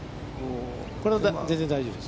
これは全然大丈夫です。